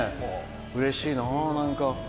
うれしいな、なんか。